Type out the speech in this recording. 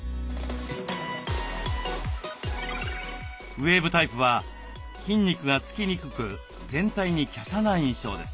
ウエーブタイプは筋肉が付きにくく全体に華奢な印象です。